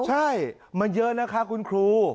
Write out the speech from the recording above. ใช่มันเยอะนะคะคุณครู